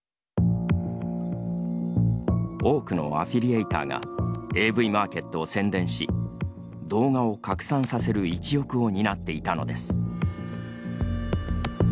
多くのアフィリエイターがＡＶＭａｒｋｅｔを宣伝し動画を拡散させる一翼を担っていたのです。